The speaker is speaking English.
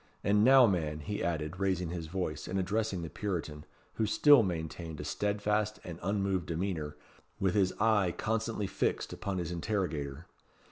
And now, man," he added, raising his voice, and addressing the Puritan, who still maintained a steadfast and unmoved demeanour, with his eye constantly fixed upon his interrogator.